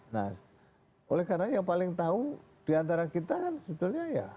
nah oleh karena yang paling tahu diantara kita kan sebetulnya ya